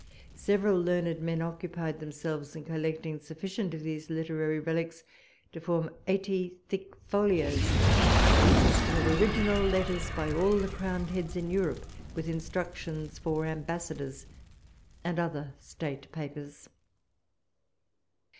Several learned men occupied themselves in collecting sufficient of these literary relics to form eighty thick folios, consisting of original letters by all the crowned heads in Europe, with instructions for ambassadors, and other state papers.